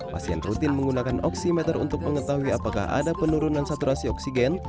pasien rutin menggunakan oksimeter untuk mengetahui apakah ada penurunan saturasi oksigen